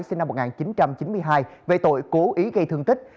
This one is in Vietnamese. sinh năm một nghìn chín trăm chín mươi hai về tội cố ý gây thương tích